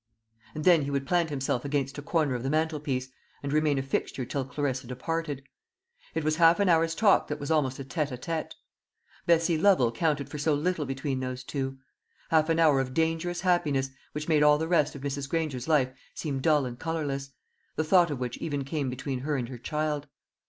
And then he would plant himself against a corner of the mantelpiece, and remain a fixture till Clarissa departed. It was half an hour's talk that was almost a tête à tête. Bessie Lovel counted for so little between those two. Half an hour of dangerous happiness, which made all the rest of Mrs. Granger's life seem dull and colourless; the thought of which even came between her and her child.